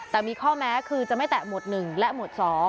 แต่มีข้อแม้คือจะไม่แตะหมวด๑และหมวด๒